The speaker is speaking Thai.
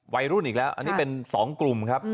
วัยรุ่นอีกแล้วอันนี้เป็น๒กลุ่มครับ